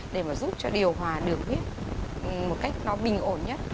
để mà giúp cho điều hòa đường huyết một cách nó bình ổn nhất